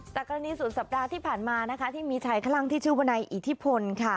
กรณีสุดสัปดาห์ที่ผ่านมานะคะที่มีชายคลั่งที่ชื่อวนายอิทธิพลค่ะ